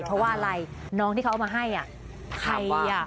เพราะว่าอะไรน้องที่เขาเอามาให้ใครอ่ะ